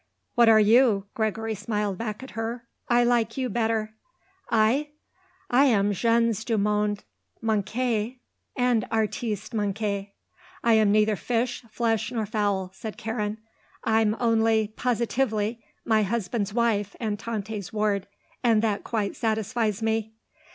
"What are you?" Gregory smiled back at her. "I like you better." "I? I am gens du monde manqué and artiste manqué. I am neither fish, flesh nor fowl," said Karen. "I'm only positively my husband's wife and Tante's ward. And that quite satisfies me."